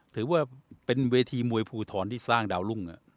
ถือว่าเป็นเวทีมวยภูทรที่สร้างดาวรุ่ง